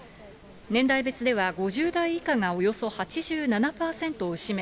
年代別では、５０代以下がおよそ８７％を占め、